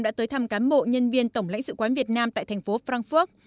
đã tới thăm cán bộ nhân viên tổng lãnh sự quán việt nam tại thành phố francurc